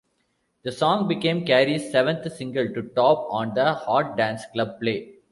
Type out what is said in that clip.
The song became Carey's seventh single to top on the Hot Dance Club Play.